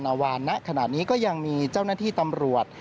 วานณขณะนี้ก็ยังมีเจ้าหน้าที่ตำรวจ